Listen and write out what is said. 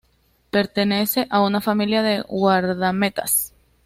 Pertenece a una familia de guardametas.